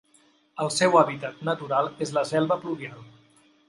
El seu hàbitat natural és la selva pluvial.